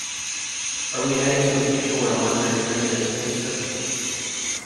Are we heading to a future where a worker is merely a statistic?